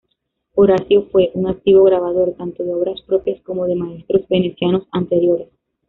Orazio fue un activo grabador, tanto de obras propias como de maestros venecianos anteriores.